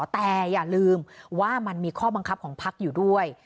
แต่อย่าลืมว่ามันมีข้อบังคับของพักอยู่ด้วย